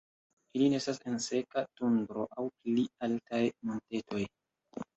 Ili nestas en seka tundro aŭ pli altaj montetoj.